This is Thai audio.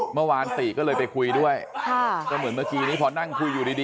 เมื่อวานติก็เลยไปคุยด้วยค่ะก็เหมือนเมื่อกี้นี้พอนั่งคุยอยู่ดี